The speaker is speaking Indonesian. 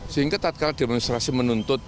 sehingga takkan demonstrasi menuntut